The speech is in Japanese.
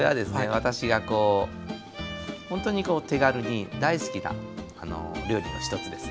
私がこうほんとにこう手軽に大好きな料理の一つです。